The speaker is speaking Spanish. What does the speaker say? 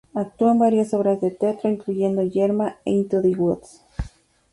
Actuó en varias obras de teatro, incluyendo "Yerma" e "Into the Woods".